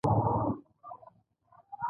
لکه چې زړښت هم اثر لري.